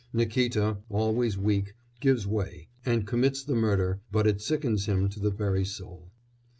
Nikíta, always weak, gives way, and commits the murder, but it sickens him to the very soul.